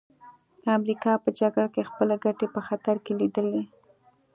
امریکا په جګړه کې خپلې ګټې په خطر کې لیدې